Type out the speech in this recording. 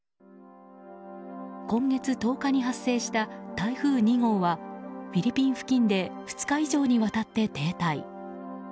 今月１０日に発生した台風２号はフィリピン付近で２日以上にわたって停滞。